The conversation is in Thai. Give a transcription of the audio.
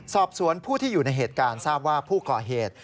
สอบสวนผู้ที่อยู่ในเหตุการณ์ทราบว่าผู้ก่อเหตุ